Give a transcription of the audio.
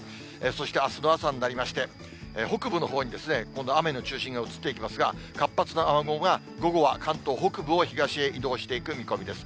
そしてあすの朝になりまして、北部のほうに今度、雨の中心が移っていきますが、活発な雨雲が、午後は関東北部を東へ移動していく見込みです。